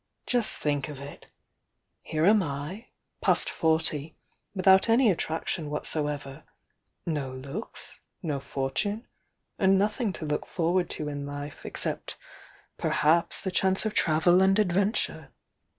Just think of it! Here am I, past forty, without any attraction whatsoever, no looks, no fortune, and nothing to look forward to in life except perhaps the chance of travel and adventure.